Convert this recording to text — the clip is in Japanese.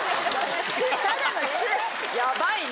「ヤバいね」。